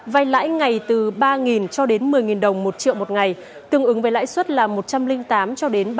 vay lãi ngày từ ba cho đến một mươi đồng một triệu một ngày tương ứng với lãi suất là một trăm linh tám cho đến ba mươi